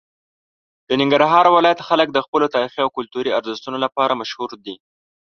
د ننګرهار ولایت خلک د خپلو تاریخي او کلتوري ارزښتونو لپاره مشهور دي.